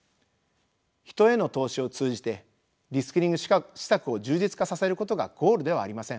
人への投資を通じてリスキリング施策を充実化させることがゴールではありません。